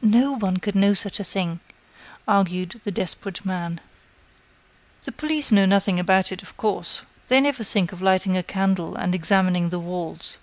No one could know such a thing," argued the desperate man. "The police know nothing about it, of course. They never think of lighting a candle and examining the walls.